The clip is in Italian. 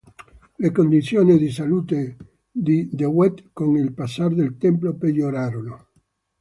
Le condizioni di salute di De Wet con il passar del tempo peggiorarono.